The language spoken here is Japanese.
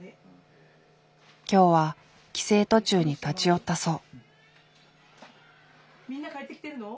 今日は帰省途中に立ち寄ったそう。